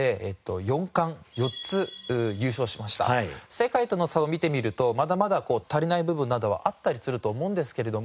世界との差を見てみるとまだまだ足りない部分などはあったりすると思うんですけれども。